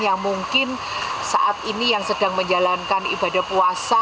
yang mungkin saat ini yang sedang menjalankan ibadah puasa